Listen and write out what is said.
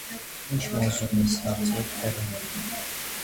-Ի՞նչ մոզու միս, - հարցրեց ծերունին: